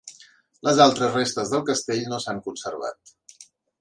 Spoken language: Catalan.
Les altres restes del castell no s'han conservat.